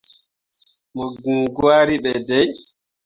Mo giŋ gwari ɓe dai.